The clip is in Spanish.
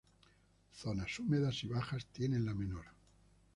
Zonas húmedas y bajas tienen la menor.